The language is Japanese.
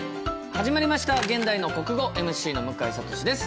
始まりました「現代の国語」ＭＣの向井慧です。